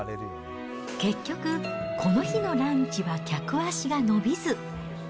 結局、この日のランチは客足が伸びず。